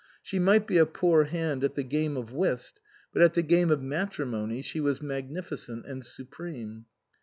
She might be a poor hand at the game of whist, but at the game of matri mony she was magnificent and supreme.